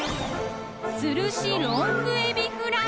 つるしロングエビフライ」